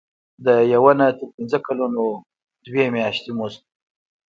د یو نه تر پنځه کلونو دوه میاشتې مزد.